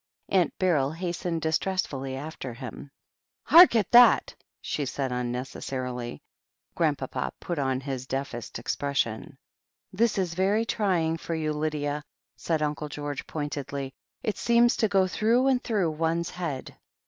Aunt Beryl hastened distressfully after him. "Hark at that!" said she unnecessarily. Grandpapa put on his deafest expression. "This is very trying for you, Lydia," said Uncle George pointedly. "It seems to go through and through one's head."